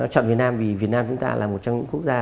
chọn việt nam vì việt nam chúng ta là một trong những quốc gia